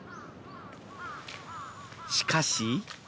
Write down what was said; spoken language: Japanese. しかし。